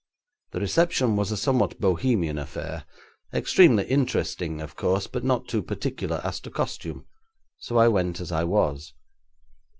The reception was a somewhat bohemian affair, extremely interesting, of course, but not too particular as to costume, so I went as I was.